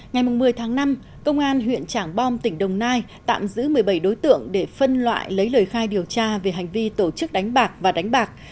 ngày một mươi tháng năm công an huyện trảng bom tỉnh đồng nai tạm giữ một mươi bảy đối tượng để phân loại lấy lời khai điều tra về hành vi tổ chức đánh bạc và đánh bạc